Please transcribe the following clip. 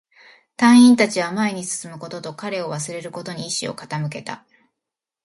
隊員達は前に進むことと、彼を忘れることに意志を傾けた